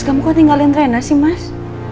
kamu kok tinggalin tenna sih mas